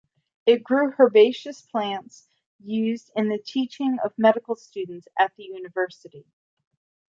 It grew herbaceous plants used in the teaching of medical students at the University.